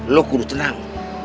lo kudu tenang